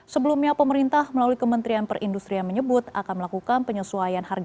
sebelumnya pemerintah melalui kementerian perindustrian menyebut akan melakukan penyesuaian harga